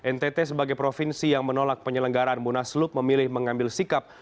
ntt sebagai provinsi yang menolak penyelenggaraan munaslup memilih mengambil sikap